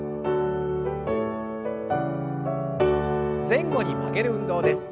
前後に曲げる運動です。